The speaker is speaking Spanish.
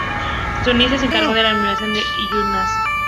Sunrise se encargó de la animación de Inuyasha.